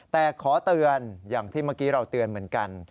แต่ขอเตือนอย่างที่เมื่อกี้เราเตือนเหมือนกัน